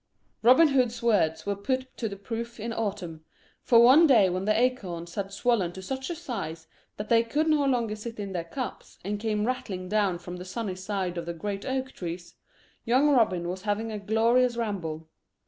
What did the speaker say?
Robin Hood's words were put to the proof in autumn, for one day when the acorns had swollen to such a size that they could no longer sit in their cups, and came rattling down from the sunny side of the great oak trees, young Robin was having a glorious ramble.